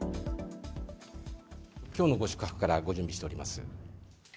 きょうのご宿泊からご準備しております。